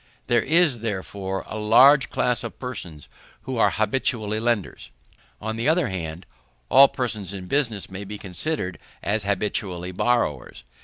There is, therefore, a large class of persons who are habitually lenders. On the other hand, all persons in business may be considered as habitually borrowers.